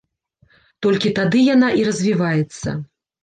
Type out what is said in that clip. Толькі тады яна і развіваецца.